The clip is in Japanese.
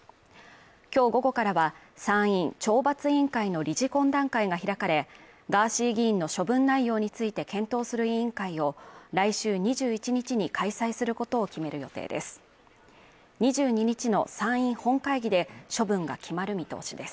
今日午後からは参院懲罰委員会の理事懇談会が開かれガーシー議員の処分内容について検討する委員会を来週２１日に開催することを決める予定です